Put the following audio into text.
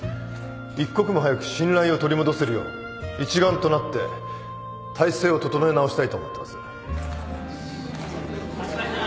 一刻も早く信頼を取り戻せるよう一丸となって体制を整え直したいと思ってます。